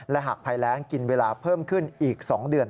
และหากภัยแรงกินเวลาเพิ่มขึ้นอีก๒เดือน